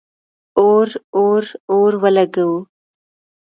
اور، اور، اور ولګوو